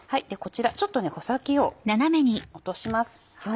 こちらちょっと穂先を落とします。